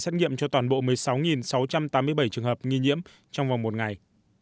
xét nghiệm cho toàn bộ một mươi sáu sáu trăm tám mươi bảy trường hợp nghi nhiễm trong vòng một ngày